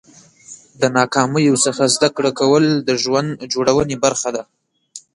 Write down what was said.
د ناکامیو څخه زده کړه کول د ژوند جوړونې برخه ده.